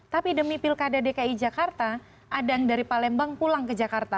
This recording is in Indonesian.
tapi demi pilkada dki jakarta adang dari palembang pulang ke jakarta